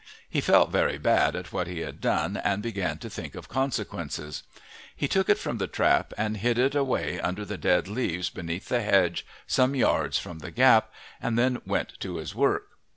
He felt very bad at what he had done and began to think of consequences. He took it from the trap and hid it away under the dead leaves beneath the hedge some yards from the gap, and then went to his work.